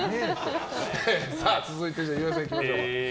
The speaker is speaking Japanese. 続いて岩井さん行きましょう。